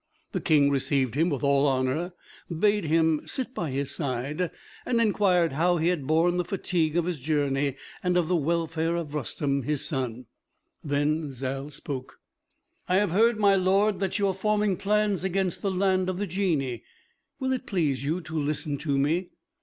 The King received him with all honor, bade him sit by his side, and inquired how he had borne the fatigue of his journey, and of the welfare of Rustem, his son. Then Zal spoke: "I have heard, my lord, that you are forming plans against the land of the Genii. Will it please you to listen to me?